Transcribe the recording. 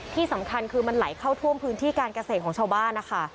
ที่สำคัญคือมันไหลเข้าท่วมพื้นที่การเกษตรของชาวบ้านนะคะ